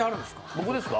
僕ですか？